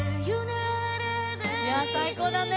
いや最高だね。